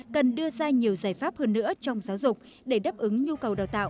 cần đưa ra nhiều giải pháp hơn nữa trong giáo dục để đáp ứng nhu cầu đào tạo